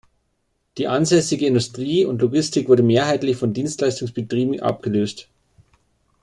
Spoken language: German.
Die ansässige Industrie und Logistik wurde mehrheitlich von Dienstleistungsbetrieben abgelöst.